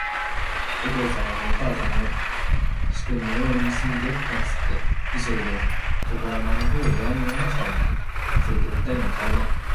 おとうさまもおかあさまも、始君のようすにギョッとなすって、いそいで、床の間のほうをごらんになりましたが、すると、おふたりの顔も、